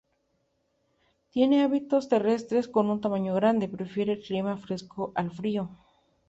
Tiene hábitos terrestres con un tamaño grande, prefiere el clima fresco al frío.